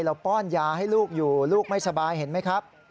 ป้อนยาให้ลูกอยู่ลูกไม่สบายเห็นไหมครับ